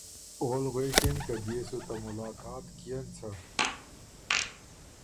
اول غوېکِن که ”بيې سو ته ملاقات کيېن څۀ؟“